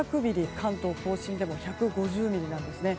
関東・甲信でも１５０ミリなんですね。